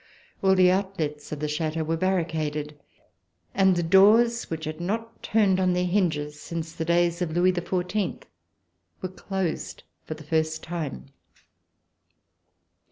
All the outlets of the Chateau were barricaded, and the doors, which had not turned on their hinges since the days of Louis XIV, were closed for the first time.